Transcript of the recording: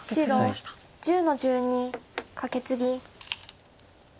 白１０の十二カケツギ。